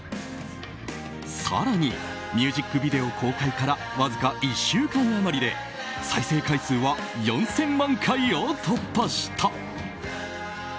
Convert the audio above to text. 更にミュージックビデオ公開からわずか１週間余りで再生回数は４０００万回を突破した。